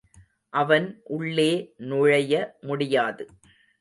அவன் உள்ளே நுழைய முடியாது.